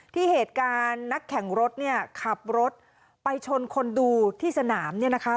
ที่เหตุการณ์นักแข่งรถเนี่ยขับรถไปชนคนดูที่สนามเนี่ยนะคะ